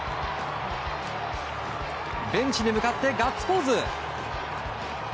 ベンチに向かってガッツポーズ。